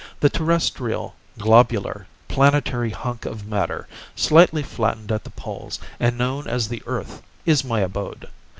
"The terrestrial, globular, planetary hunk of matter, slightly flattened at the poles, and known as the Earth, is my abode.